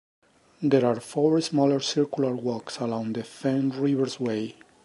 There are four smaller circular walks along the Fen Rivers way.